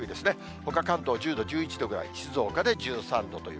ほか、関東１０度、１１度ぐらい、静岡で１３度という。